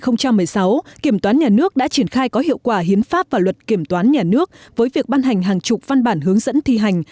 năm hai nghìn một mươi sáu kiểm toán nhà nước đã triển khai có hiệu quả hiến pháp và luật kiểm toán nhà nước với việc ban hành hàng chục văn bản hướng dẫn thi hành